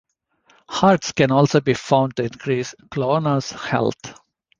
Hearts can also be found to increase Klonoa's health.